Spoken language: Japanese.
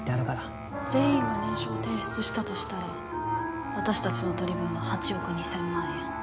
全員が念書を提出したとしたら私たちの取り分は８億２０００万円。